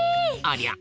ありゃ？